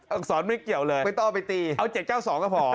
อักษรไม่เกี่ยวเลยเอา๗๙๒ก็พอ